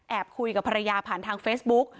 คุยกับภรรยาผ่านทางเฟซบุ๊ก